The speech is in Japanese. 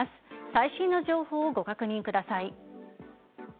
最新の情報をご確認ください。